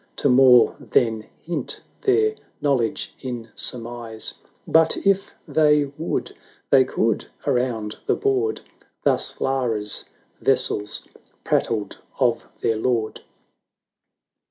To more than hint their knowledge in surmise; But if they would — they could" — around the board Thus Lara's vassals prattled of their lord.